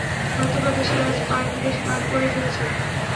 হয়তোবা বেশি আজ বেশি পান করে ফেলেছ।